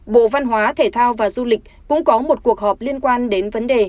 bộ văn hóa thể thao và du lịch cũng có một cuộc họp liên quan đến vấn đề